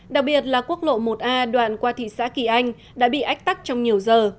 đặc biệt là quốc lộ một a đoạn qua thị xã kỳ anh đã bị ách tắc trong nhiều giờ